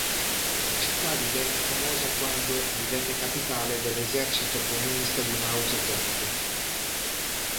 La città divenne famosa quando divenne capitale dell'esercito comunista di Mao Zedong.